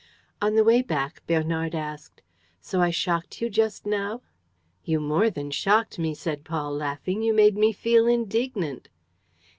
On the way back, Bernard asked: "So I shocked you just now?" "You more than shocked me," said Paul, laughing. "You made me feel indignant."